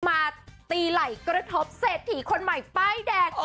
มาตีไหล่กระทบเศรษฐีคนใหม่ป้ายแดง